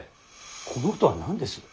この音は何です。